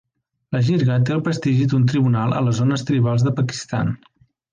La jirga té el prestigi d'un tribunal a les zones tribals de Pakistan.